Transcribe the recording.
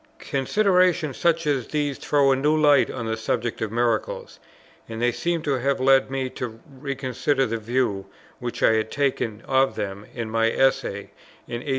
Considerations such as these throw a new light on the subject of Miracles, and they seem to have led me to reconsider the view which I had taken of them in my Essay in 1825 6.